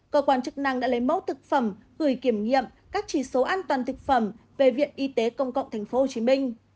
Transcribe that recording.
cơ quan chức năng đã lấy mẫu thực phẩm gửi kiểm nghiệm các chỉ số an toàn thực phẩm về viện y tế công cộng tp hcm